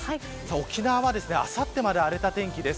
沖縄はあさってまで荒れた天気です。